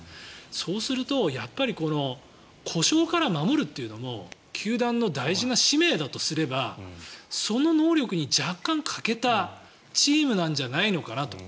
そうすると、やっぱり故障から守るっていうのも球団の大事な使命だとすればその能力に若干欠けたチームなんじゃないかなと。